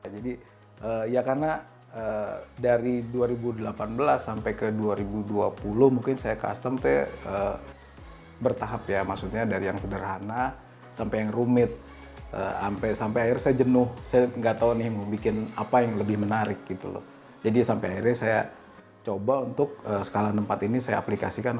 jadi sampai akhirnya saya coba untuk skala enam puluh empat ini saya aplikasikan untuk radio kontrol